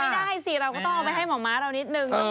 ไม่ได้สิเราก็ต้องเอาไปให้หมอม้าเรานิดนึง